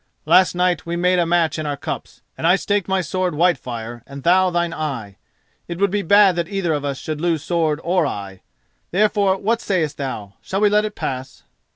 Last night we made a match in our cups, and I staked my sword Whitefire and thou thine eye. It would be bad that either of us should lose sword or eye; therefore, what sayest thou, shall we let it pass?"